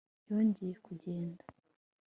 yongeye kugenda